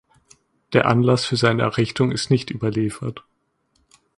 Der Anlass für seine Errichtung ist nicht überliefert.